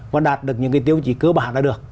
và đạt được những cái tiêu chỉ cơ bản là được